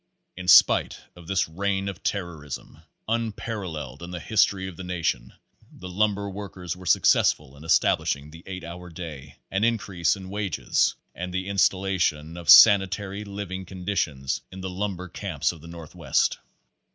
In spite of his reign of terrorism, unparalleled in the history of the nation, the lumber workers were suc cessful in establishing the eight hour day, an increase in wages, and the installation of sanitary living condi tions in the lumber camps of the northwest.